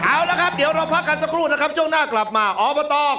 เอาละครับเดี๋ยวเราพักกันสักครู่นะครับช่วงหน้ากลับมาอบต